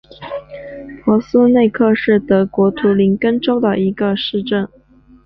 珀斯内克是德国图林根州的一个市镇。